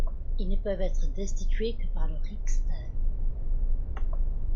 Ils ne peuvent être destitués que par le Riksdag.